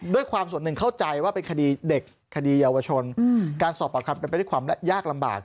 ด้วยความส่วนหนึ่งเข้าใจว่าเป็นคดีเด็กคดีเยาวชนการสอบปากคำเป็นไปด้วยความยากลำบาก